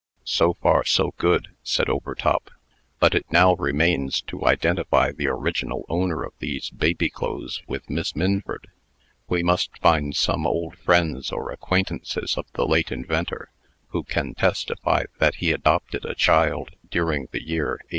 "So far, so good," said Overtop; "but it now remains to identify the original owner of these baby clothes with Miss Minford. We must find some old friends or acquaintances of the late inventor, who can testify that he adopted a child during the year 18